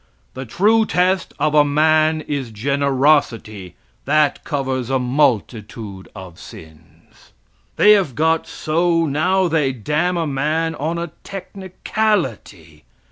The true test of a man is generosity, that covers a multitude of sins. They have got so now they damn a man on a technicality.